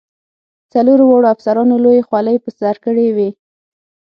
څلورو واړو افسرانو لویې خولۍ په سر کړې وې.